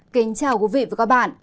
kính chào quý vị và các bạn